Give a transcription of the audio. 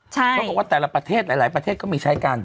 เขาบอกว่าแต่ละประเทศหลายประเทศก็มีใช้กัน